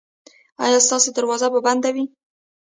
ایا ستاسو دروازه به بنده وي؟